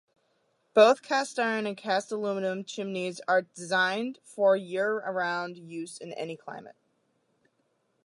Both cast-iron and cast-aluminium chimineas are designed for year-around use in any climate.